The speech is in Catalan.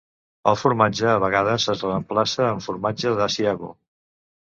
El formatge a vegades es reemplaça amb formatge d'Asiago.